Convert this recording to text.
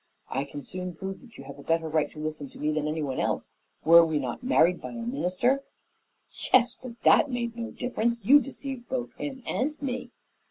"I can soon prove that you have a better right to listen to me than to anyone else. Were we not married by a minister?" "Yes, but that made no difference. You deceived both him and me."